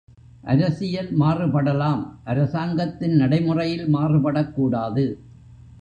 அரசியல் மாறுபடலாம் அரசாங்கத்தின் நடைமுறையில் மாறுபடக் கூடாது.